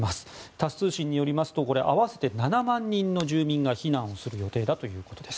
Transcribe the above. タス通信によりますと合わせて７万人の住民が避難をする予定だということです。